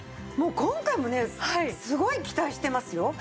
もう今回もねすごい期待してますよ。